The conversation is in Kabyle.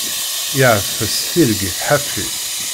Yeɛfes tirgit ḥafi.